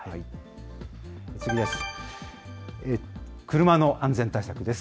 次です。